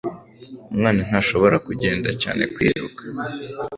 Umwana ntashobora kugenda cyane kwiruka